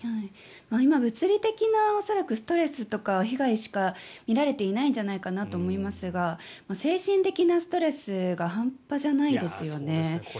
今物理的なストレスとか被害しか見られていないんじゃないかと思いますが精神的なストレスが半端じゃないですよね。